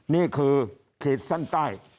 นี่คือเขตสั้นใต้